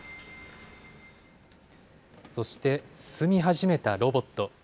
そして進み始めたロボット。